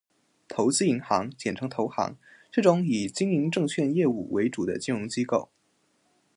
投资银行，简称投行，是种以经营证券业务为主的金融机构